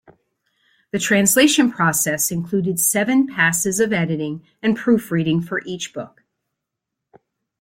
The translation process included seven passes of editing and proofreading for each book.